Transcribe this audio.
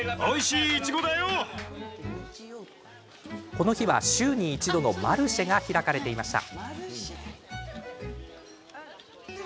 この日は週に一度のマルシェが開かれていました。